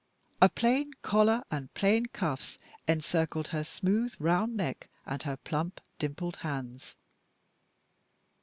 A plain collar and plain cuffs encircled her smooth, round neck, and her plump dimpled hands.